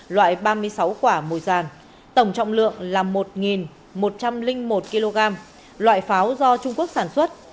loại ba mươi sáu quả mùi dàn tổng trọng lượng là một một trăm linh một kg loại pháo do trung quốc sản xuất